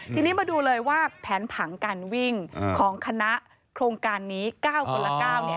ทีนี้มาดูเลยว่าแผนผังการวิ่งของคณะโครงการนี้๙คนละ๙เนี่ย